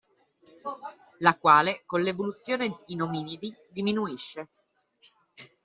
La quale, con l'evoluzione in ominidi, diminuisce.